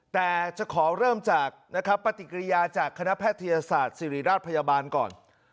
แต่จะขอเริ่มจากนะครับปฏิกิริยาจากคณะแพทยศาสตร์ศิริราชพยาบาลก่อน